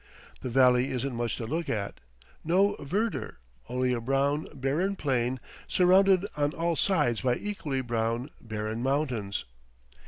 The valley isn't much to look at; no verdure, only a brown, barren plain, surrounded on all sides by equally brown, barren mountains.